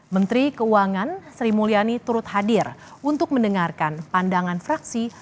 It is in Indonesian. menteri keuangan sri mulyani turut hadir untuk mendengarkan pandangan fraksi